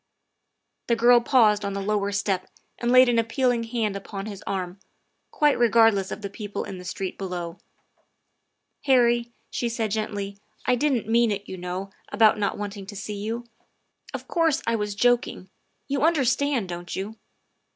The girl paused on the lower step and laid an appeal ing hand upon his arm, quite regardless of the people in the street below. " Harry," she said gently, " I didn't mean it, you know, about not wanting to see you. Of course, I was joking. You understand, don't you?"